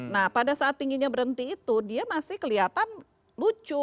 nah pada saat tingginya berhenti itu dia masih kelihatan lucu